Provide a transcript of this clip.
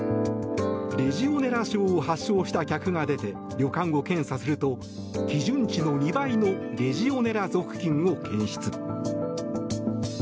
レジオネラ症を発症した客が出て旅館を検査すると基準値の２倍のレジオネラ属菌を検出。